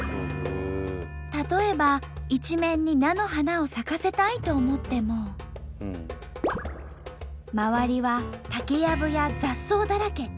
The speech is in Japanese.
例えば一面に菜の花を咲かせたいと思っても周りは竹やぶや雑草だらけ。